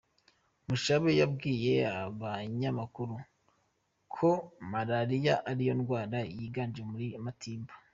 Mushabe yabwiye abanyamakuru ko Malariya ariyo ndwara yiganje muri Matimba.